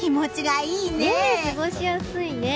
過ごしやすいね。